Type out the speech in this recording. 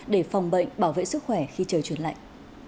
để phòng bệnh bảo vệ sức khỏe khi trời chuyển lạnh